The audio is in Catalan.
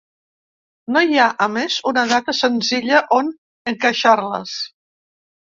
No hi ha, a més, una data senzilla on encaixar-les.